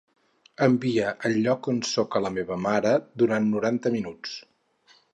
Envia el lloc on soc a la meva mare durant noranta minuts.